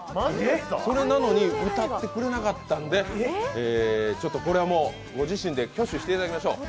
それなのに歌ってくれなかったので、これはもうご自身で挙手していただきましょう。